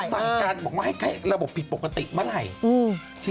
สั่งการบอกว่าให้ระบบผิดปกติเมื่อไหร่